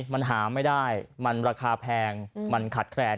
มันหาไม่ได้มันราคาแพงมันขาดแคลน